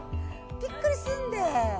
びっくりすんで。